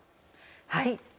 はい。